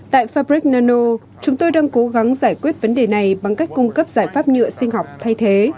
tại fabrid nano chúng tôi đang cố gắng giải quyết vấn đề này bằng cách cung cấp giải pháp nhựa sinh học thay thế